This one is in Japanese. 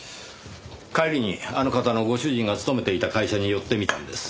帰りにあの方のご主人が勤めていた会社に寄ってみたんです。